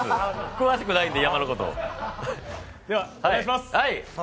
詳しくないんで、山のこと。